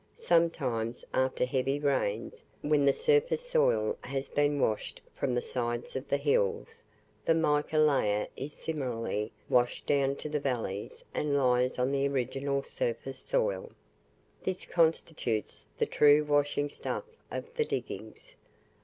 Sometimes after heavy rains, when the surface soil has been washed from the sides of the hills, the mica layer is similarly washed down to the valleys and lies on the original surface soil. This constitutes the true washing stuff of the diggings.